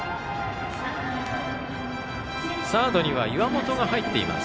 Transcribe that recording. サードには岩本が入っています。